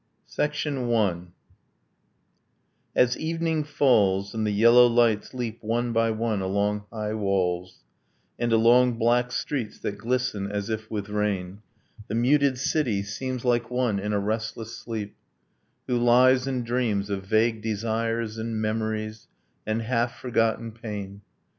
PART III I As evening falls, And the yellow lights leap one by one Along high walls; And along black streets that glisten as if with rain, The muted city seems Like one in a restless sleep, who lies and dreams Of vague desires, and memories, and half forgotten pain